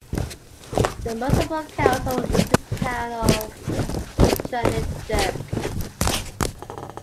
The municipal council is the town of Tranebjerg.